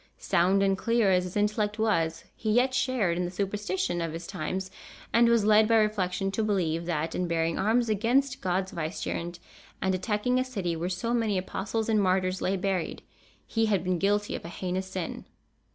Sound and clear as his intellect was, he yet shared in the superstition of his times, and was led by reflection to believe that, in bearing arms against God's vicegerent, and attacking a city where so many apostles and martyrs lay buried, he had been guilty of a heinous sin.